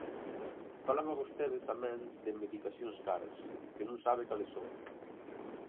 Falaba vostede tamén de medicacións caras, que non sabe cales son.